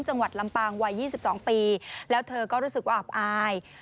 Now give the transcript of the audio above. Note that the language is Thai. จังหวัดลำปางวัย๒๒ปีแล้วเธอก็รู้สึกว่าอับอาย